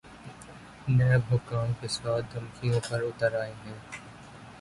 NAB حکام کے ساتھ دھمکیوں پہ اتر آئے ہیں۔